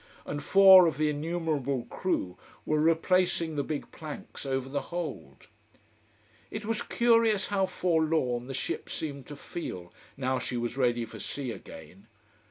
And four of the innumerable crew were replacing the big planks over the hold. It was curious how forlorn the ship seemed to feel, now she was ready for sea again.